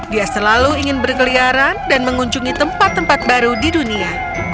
dia selalu ingin berkeliaran dan mengunjungi tempat tempat baru di dunia